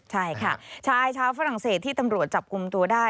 ใช่ค่ะชายชาวฝรั่งเศสที่ตำรวจจับกลุ่มตัวได้